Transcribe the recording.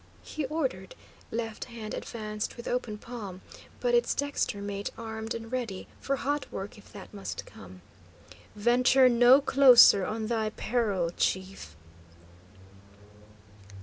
he ordered, left hand advanced with open palm, but its dexter mate armed and ready for hot work if that must come. "Venture no closer, on thy peril, chief!"